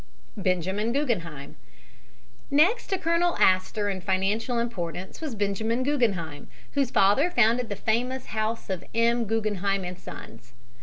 BENJAMIN GUGGENHEIM Next to Colonel Astor in financial importance was Benjamin Guggenheim, whose father founded the famous house of M. Guggenheim and Sons.